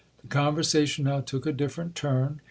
The conversation now took a different turn.